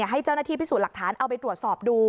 ให้เจ้าหน้าที่พิสูจน์หลักฐานเอาไปตรวจสอบดู